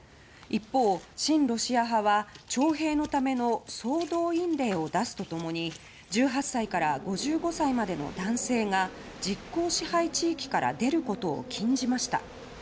また親ロシア派は徴兵のための総動員令を出すと共に１８歳から５５歳までの男性が実効支配地域から出ることを禁じました。